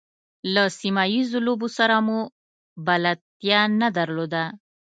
له سیمه ییزو لوبو سره مو بلدتیا نه درلوده.